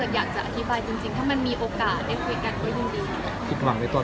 ได้คุยกันก็ยังไม่ออก